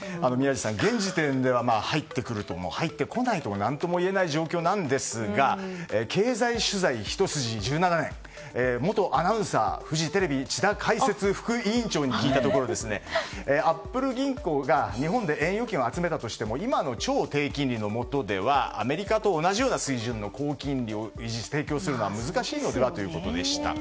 現時点では入ってくるとも入ってこないとも何とも言えない状況ですが経済取材ひと筋１７年元アナウンサー、フジテレビの智田解説委員長に聞いたところアップル銀行が日本円で円預金を集めたとしても今の超低金利のもとではアメリカと同水準の高金利を提供するのは難しいのではということでした。